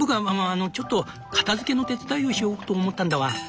あのちょっと片づけの手伝いをしようかと思ったんだワン。